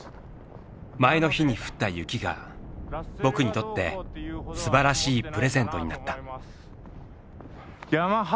前の日に降った雪が「僕」にとってすばらしいプレゼントになった。